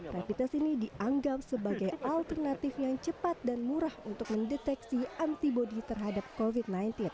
repites ini dianggap sebagai alternatif yang cepat dan murah untuk mendeteksi anti budi terhadap covid sembilan belas